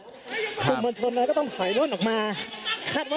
ก็จะถึงประตูหรือว่าตอนนี้เจ้าหน้าที่กันไว้ทั้งสองฝั่งแล้วใช่มั้ยครับ